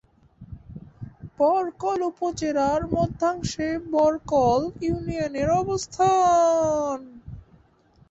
বরকল উপজেলার মধ্যাংশে বরকল ইউনিয়নের অবস্থান।